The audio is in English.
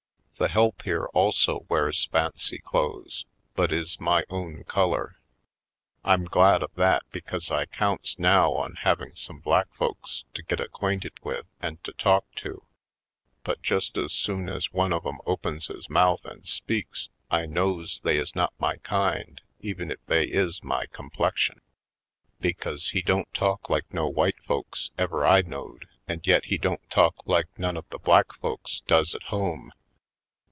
The help here also wears fancy clothes, but is my own color. I'm glad of that because I counts now on having some black folks to get acquainted with and to talk to ; but just as soon as one of 'em opens his mouth and speaks I knows they is not my kind even if they is my complexion. Because he don't talk like no white folks ever I knowed and yet he don't talk like none of the black folks does at home.